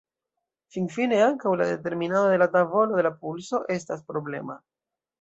Finfine ankaŭ la determinado de la tavolo de la pulso estas problema.